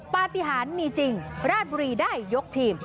ปฏิหารมีจริงราชบุรีได้ยกทีม